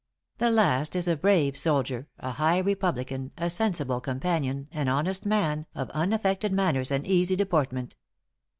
The last is a brave soldier, a high republican, a sensible companion, an honest man, of unaffected manners and easy deportment."